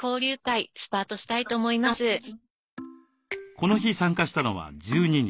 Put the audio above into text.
この日参加したのは１２人。